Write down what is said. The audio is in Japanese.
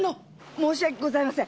申し訳ございません。